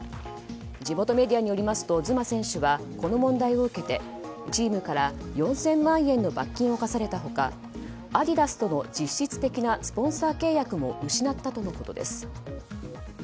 地元メディアによりますとズマ選手はこの問題を受けてチームから４０００万円の罰金を科された他アディダスとの実質的なスポンサー契約も失ったとのことです。